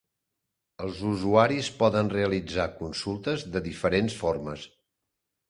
Els usuaris poden realitzar consultes de diferents formes.